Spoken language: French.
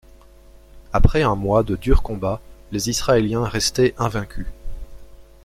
Après un mois de durs combats, les Israéliens restaient invaincus.